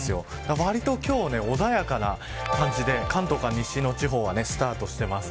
わりと今日は穏やかな感じで関東から西の地方はスタートしています。